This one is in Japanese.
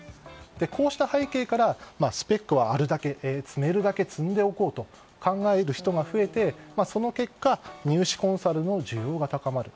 こうした背景からスペックはあるだけ積めるだけ積んでおこうと考える人が増えて、その結果入試コンサルの需要が高まる。